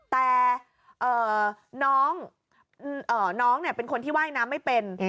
แต่น้องเป็นคนที่ว่ายน้ำไม่เป็น